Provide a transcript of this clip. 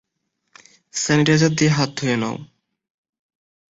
Sanitiser দিয়ে হাত ধুয়ে নাও।